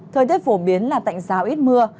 thời tiết phổ biến là tạnh rào ít mưa